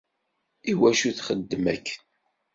Iwacu txeddem akken?